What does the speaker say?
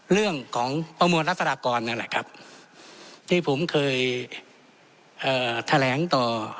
เรื่องของประมวลรัฐดากรนั่นแหละครับที่ผมเคยเอ่อแถลงต่อ